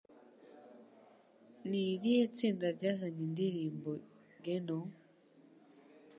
ni irihe tsinda ryazanye indirimbo Geno?